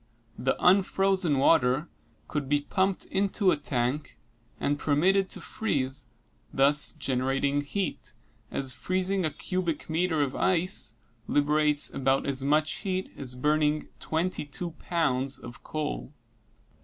The unfrozen water could be pumped into a tank and permitted to freeze, thus generating heat, as freezing a cubic meter of ice liberates about as much heat as burning twenty two pounds of coal.